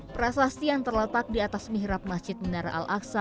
prasasti yang terletak di atas mihrab masjid menara al aqsa